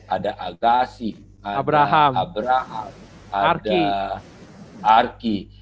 ada agassi abraham arki